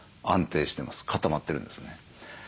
固まってるんですね。